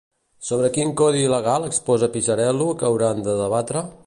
Sobre quin codi legal exposa Pisarello que hauran de debatre?